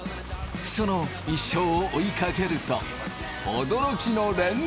その一生を追いかけると驚きの連続！